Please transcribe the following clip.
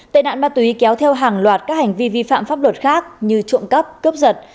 tại đạn mà tùy ý kéo theo hàng loạt các hành vi vi phạm pháp luật khác như trộm cắp cướp giật